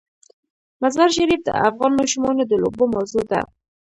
مزارشریف د افغان ماشومانو د لوبو موضوع ده.